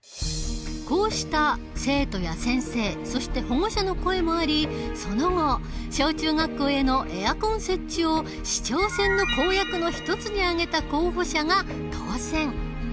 こうした生徒や先生そして保護者の声もありその後小中学校へのエアコン設置を市長選の公約の一つに挙げた候補者が当選。